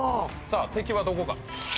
さあ敵はどこか？